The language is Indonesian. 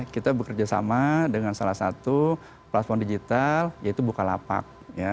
kita bekerja sama dengan salah satu platform digital yaitu bukalapak